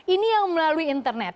ini yang melalui internet